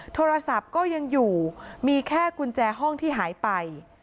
โทรศัพท์ก็ยังอยู่มีแค่กุญแจห้องที่หายไป